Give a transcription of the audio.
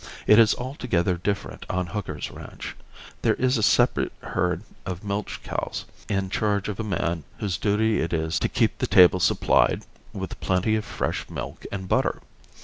It is altogether different on Hooker's ranch. There is a separate herd of milch cows in charge of a man whose duty it is to keep the table supplied with plenty of fresh milk and butter.